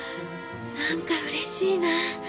なんかうれしいな。